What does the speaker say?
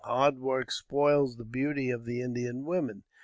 Hard work spoils the beauty of the Indian women.